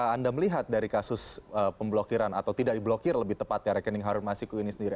anda melihat dari kasus pemblokiran atau tidak diblokir lebih tepatnya rekening harun masiku ini sendiri